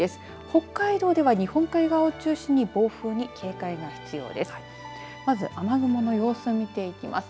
北海道では日本海側を中心に暴風に警戒が必要です。